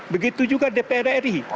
begitu juga dpr ri